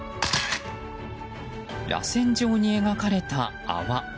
らせん状に描かれた泡。